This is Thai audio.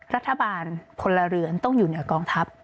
รัฐบาลพลเรือนต้องอยู่เหนือกองทัพ